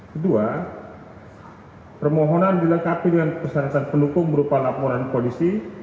kedua permohonan dilengkapi dengan persyaratan pendukung berupa laporan polisi